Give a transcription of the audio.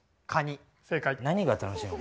何が楽しいの？